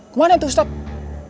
kemana tuh ustadz